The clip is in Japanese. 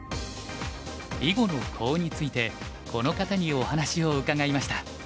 囲碁のコウについてこの方にお話を伺いました。